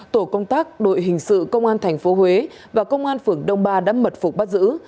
tổ công tác đội hình sự công an tp huế và công an phường đông ba đã mật phục bắt giữ